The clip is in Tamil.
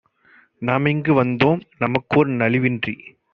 நாமிங்கு வந்தோம். நமக்கோர் நலிவின்றி